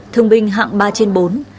thương binh hạng ba trên bốn